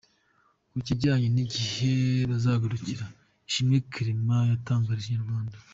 Ku kijyanye n’igihe bazagarukira, Ishimwe Clement yatangarije Inyarwanda.